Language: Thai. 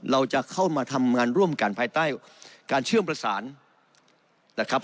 เราจะเข้ามาทำงานร่วมกันภายใต้การเชื่อมประสานนะครับ